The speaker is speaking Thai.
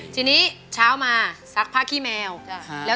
จริงนี้เช้ามาฟักพลาดขี้แมว